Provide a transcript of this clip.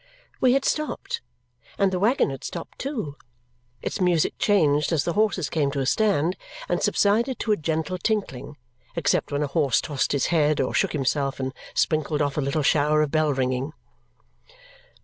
We had stopped, and the waggon had stopped too. Its music changed as the horses came to a stand, and subsided to a gentle tinkling, except when a horse tossed his head or shook himself and sprinkled off a little shower of bell ringing.